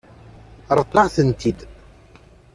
Ṛeḍlet-aɣ-tent-id.